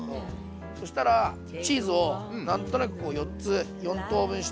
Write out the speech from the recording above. そしたらチーズを何となくこう４つ４等分して。